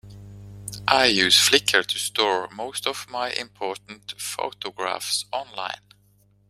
I use Flickr to store most of my important photographs online